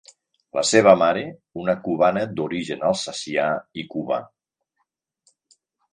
La seva mare, una cubana d'origen alsacià i cubà.